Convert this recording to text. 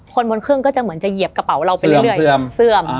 คนบนเครื่องก็จะเหมือนจะเหยียบกระเป๋าเราไปเรื่อยเสื่อม